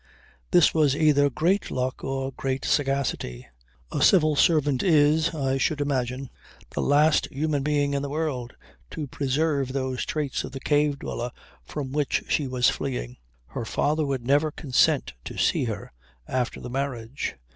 This was either great luck or great sagacity. A civil servant is, I should imagine, the last human being in the world to preserve those traits of the cave dweller from which she was fleeing. Her father would never consent to see her after the marriage.